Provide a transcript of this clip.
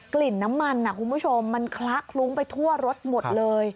กลิ่นน้ำมันคุณผู้ชมมันคละคลุ้งไปทั่วรถหมดเลย